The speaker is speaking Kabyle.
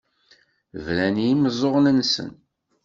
Bran i yimeẓẓuɣen-nsen.